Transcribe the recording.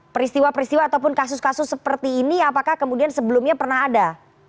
peristiwa peristiwa ataupun kasus kasus seperti ini apakah kemudian sebelumnya pernah ada